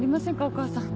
お母さん。